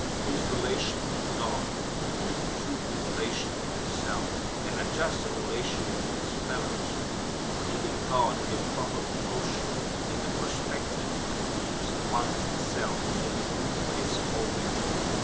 His relation to God would keep true the relation to himself, and adjust the relation to his fellows. Keeping God in proper proportion in the perspective keeps one's self in its true place always.